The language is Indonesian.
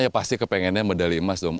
ya pasti kepengennya medali emas dong